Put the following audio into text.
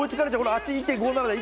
あっち１．５７だ！